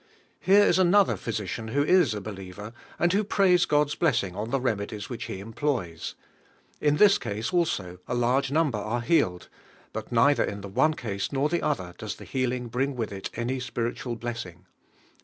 •Here is another physician who is a believer, and who prays God's bless ing on the remedies wh,ich he employs. In this case also a large number are healed but neither m the one case nor the oilier does the healing bring with it any spirit ual blessing.